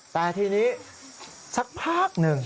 แต่ทีนี้สักพักหนึ่ง